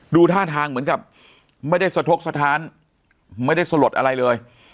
ดูท่าทางเหมือนกับไม่ได้สะทกสถานไม่ได้สลดอะไรเลย